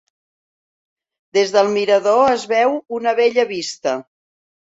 Des del mirador es veu una bella vista.